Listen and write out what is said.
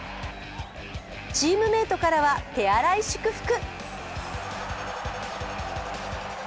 チームメイトからは手荒い祝福。